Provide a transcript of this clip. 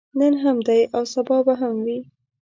نن هم دی او سبا به هم وي.